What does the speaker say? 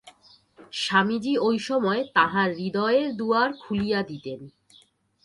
স্বামীজী ঐ সময়ে তাঁহার হৃদয়ের দুয়ার খুলিয়া দিতেন।